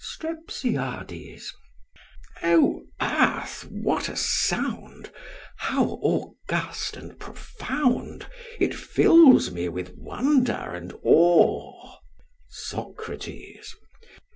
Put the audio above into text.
STREPSIADES. Oh earth! what a sound, how august and profound! It fills me with wonder and awe. SOCRATES.